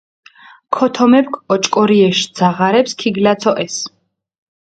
ქოთომეფქ ოჭკორიეშ ძაღარეფს ქიგლაცოჸეს.